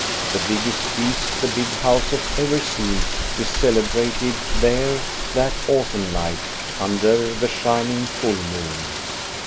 The biggest feast the big house has ever seen is celebrated there that autumn night under the shining full moon.